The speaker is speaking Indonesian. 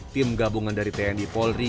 tim gabungan dari tni polri